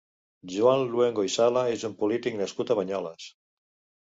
Joan Luengo i Sala és un polític nascut a Banyoles.